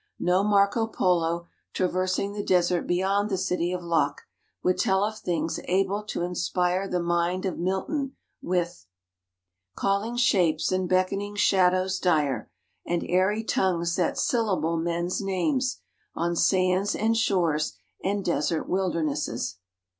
No Marco Polo, traversing the desert beyond the city of Lok, would tell of things able to inspire the mind of Milton with 'Calling shapes and beckoning shadows dire, And airy tongues that syllable men's names On sands and shores and desert wildernesses.'